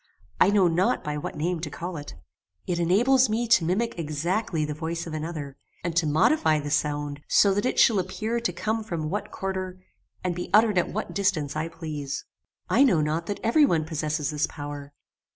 I know not by what name to call it. [*] It enables me to mimic exactly the voice of another, and to modify the sound so that it shall appear to come from what quarter, and be uttered at what distance I please. "I know not that every one possesses this power.